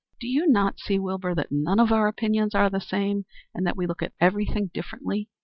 Do you not see, Wilbur, that none of our opinions are the same, and that we look at everything differently?